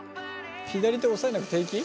左手押さえなくて平気？